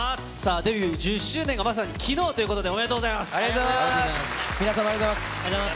デビュー１０周年がまさに昨日ということで、おめでとうございます。